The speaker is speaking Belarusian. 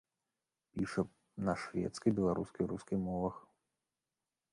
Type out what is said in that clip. Піша на шведскай, беларускай і рускай мовах.